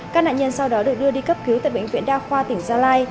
các nạn nhân sau đó được đưa đi cấp cứu tại bệnh viện đa khoa tỉnh gia lai